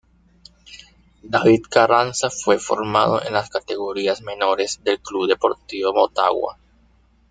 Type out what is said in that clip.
David Carranza fue formado en las categorías menores del Club Deportivo Motagua.